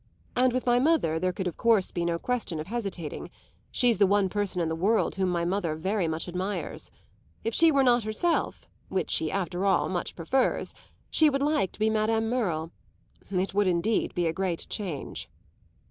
And with my mother there could be no question of hesitating; she's the one person in the world whom my mother very much admires. If she were not herself (which she after all much prefers), she would like to be Madame Merle. It would indeed be a great change."